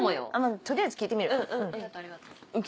取りあえず聞いてみる。ＯＫ。